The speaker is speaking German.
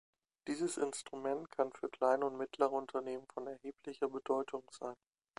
Dieses Instrument kann für kleine und mittlere Unternehmen von erheblicher Bedeutung sein.